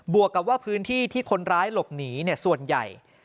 วกกับว่าพื้นที่ที่คนร้ายหลบหนีส่วนใหญ่